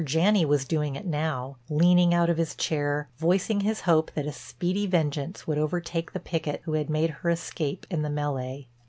Janney was doing it now, leaning out of his chair, voicing his hope that a speedy vengeance would overtake the picket who had made her escape in the mêlée.